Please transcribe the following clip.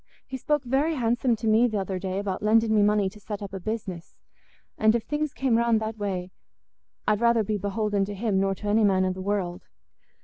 He spoke very handsome to me th' other day about lending me money to set up i' business; and if things came round that way, I'd rather be beholding to him nor to any man i' the world."